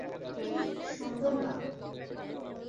ঠিক সুন্দর না।